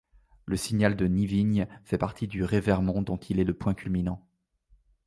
Le signal de Nivigne fait partie du Revermont, dont il est le point culminant.